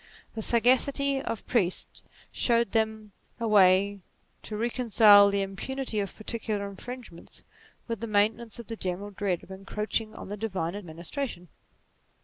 The sagacity of priests showed them a way to recon cile the impunity of particular infringements with the c 2 22 NATURE maintenance of the general dread of encroaching on the divine administration.